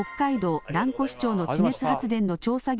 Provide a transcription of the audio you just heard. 北海道蘭越町の地熱発電の調査